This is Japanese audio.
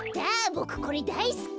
ボクこれだいすき！